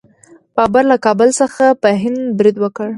بابر له کابل څخه په هند برید وکړ.